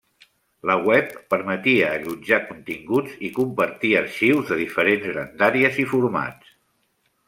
La web permetia allotjar continguts i compartir arxius de diferents grandàries i formats.